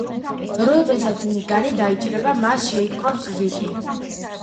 როდესაც ნიგანი დაიჭრება, მას შეიპყრობს რიკი.